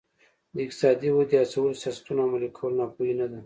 د اقتصادي ودې هڅولو سیاستونه عملي کول ناپوهي نه ده.